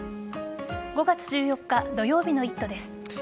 ５月１４日土曜日の「イット！」です。